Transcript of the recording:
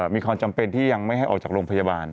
มีความจำเป็นที่ยังไม่ให้ออกจากโรงพยาบาล